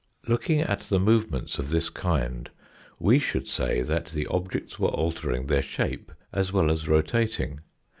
Looking at the movements of this kind, we should say that the objects were altering their shape as well as rotating.